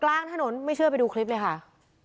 กลางถนนไม่เชื่อไปดูคลิปเลยค่ะ